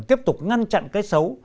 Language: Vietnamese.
tiếp tục ngăn chặn cái xấu